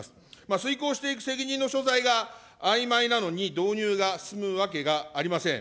遂行していく責任の所在があいまいなのに、導入が進むわけがありません。